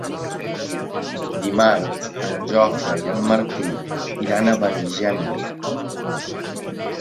Dimarts en Jofre i en Martí iran a Benigembla.